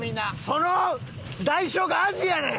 その代償がアジやねん！